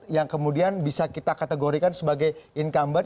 yang kemudian bisa kita kategorikan sebagai incumbent